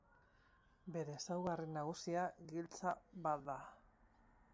Bere ezaugarri nagusia, giltza bat da.